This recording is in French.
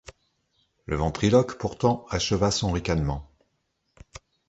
Le ventriloque pourtant acheva son ricanement.